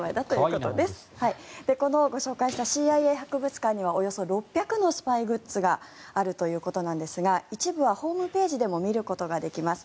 このご紹介したＣＩＡ博物館にはおよそ６００のスパイグッズがあるということなんですが一部はホームページでも見ることができます。